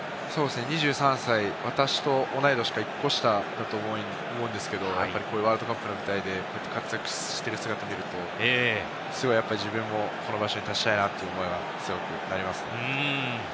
２３歳、私と同い年か１個下だと思うんですけれど、ワールドカップの舞台で活躍している姿を見ると、すごく自分もこの場所に立ちたいなという思いが強くありますね。